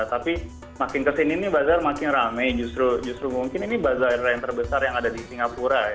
tapi makin kesini nih bazar makin rame justru mungkin ini bazar yang terbesar yang ada di singapura